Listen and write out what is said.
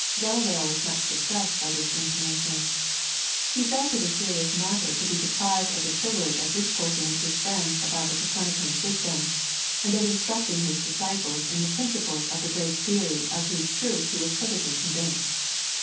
Galileo was much distressed by this intimation. He felt it a serious matter to be deprived of the privilege of discoursing with his friends about the Copernican system, and of instructing his disciples in the principles of the great theory of whose truth he was perfectly convinced.